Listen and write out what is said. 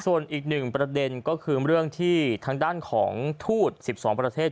ส่วนอีกหนึ่งประเด็นก็คือเรื่องที่ทางด้านของทูต๑๒ประเทศ